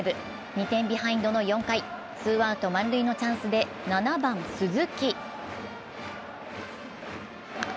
２点ビハインドの４回、ツーアウト満塁のチャンスで７番・鈴木。